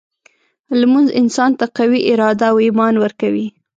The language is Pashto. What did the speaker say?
لمونځ انسان ته قوي اراده او ایمان ورکوي.